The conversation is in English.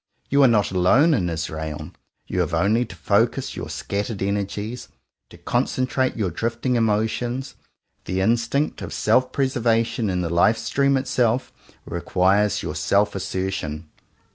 You are not alone in Israel. You have only to focus your scattered energies, to concentrate your drifting emotions. The instinct of self preservation in the Life Stream itself, re quires your self assertion.